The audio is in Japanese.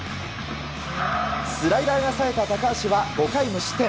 スライダーが冴えた高橋は５回無失点。